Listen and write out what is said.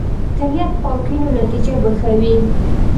که نیت پاک وي، نو نتیجه به ښه وي.